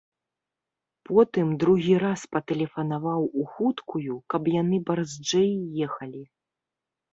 Потым другі раз патэлефанаваў у хуткую, каб яны барзджэй ехалі.